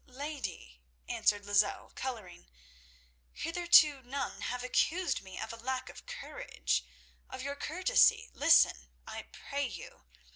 "Lady," answered Lozelle, colouring, "hitherto none have accused me of a lack of courage. Of your courtesy, listen, I pray you.